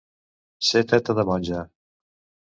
Ser teta de monja.